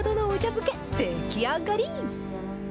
漬け、出来上がり。